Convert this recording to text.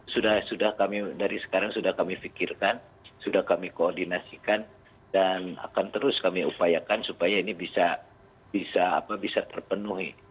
sudah sudah kami dari sekarang sudah kami fikirkan sudah kami koordinasikan dan akan terus kami upayakan supaya ini bisa terpenuhi